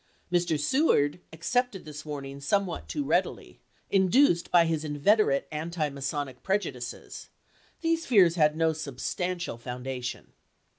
ms. Mr. Seward accepted this warning somewhat too readily, induced by his inveterate anti masonic prejudices ; these fears had no substantial founda tion.